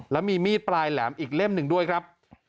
และมีมีดปลายแหลมอีกเล่ม๑ด้วยครับ